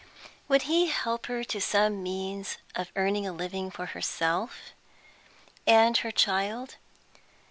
Would he help her to some means of earning a living for herself and her child?